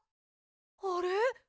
あれ？